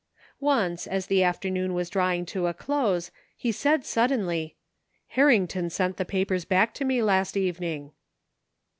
Once, as the afternoon was drawing to a close, he said suddenly :" Harrington sent the papers back to me last evening."